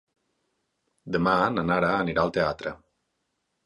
Demà na Nara anirà al teatre.